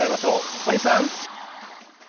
小西さん。